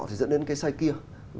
thì dẫn đến cái sai kia